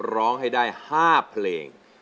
ร้องให้ได้๕เพลง